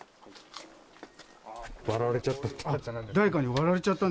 割られちゃった。